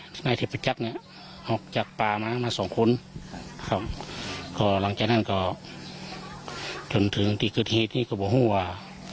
นายเทพจักรเนี่ยออกจากป่ามามาสองคนครับก็หลังจากนั้นก็จนถึงที่เกิดเหตุที่เขาบอกว่า